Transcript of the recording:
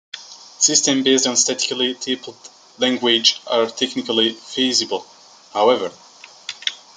Systems based on statically typed languages are technically feasible, however.